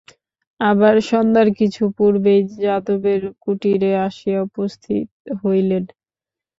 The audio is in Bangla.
আবার সন্ধ্যার কিছু পূর্বেই যাদবের কুটিরে আসিয়া উপস্থিত হইলেন।